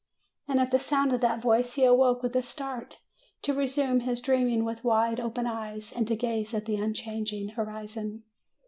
'' and at the sound of that voice he awoke with a start, to resume his dreaming with wide open eyes, and to gaze at the unchanging horizon.